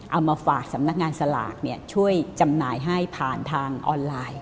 เอามาฝากสำนักงานสลากช่วยจำหน่ายให้ผ่านทางออนไลน์